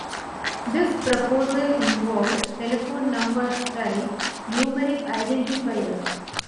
This proposal involved telephone number style numeric identifiers.